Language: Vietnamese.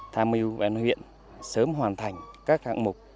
tham mưu ban huyện sớm hoàn thành các hạng mục